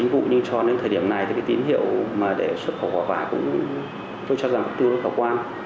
nhưng cho đến thời điểm này thì tín hiệu để xuất khẩu quả vải cũng tôi cho rằng tương đối khả quan